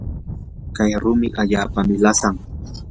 kay rumi allaapami lasan.